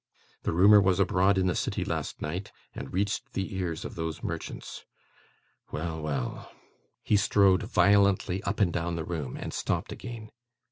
The rumour was abroad in the city last night, and reached the ears of those merchants. Well, well!' He strode violently up and down the room and stopped again.